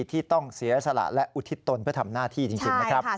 ที่ต้องเสียสละและอุทิศตนเพื่อทำหน้าที่จริงนะครับ